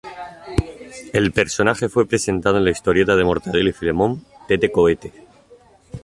El personaje fue presentado en la historieta de Mortadelo y Filemón "Tete Cohete".